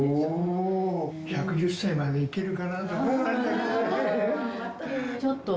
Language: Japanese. １１０歳までいけるかなと思ったんだけどね。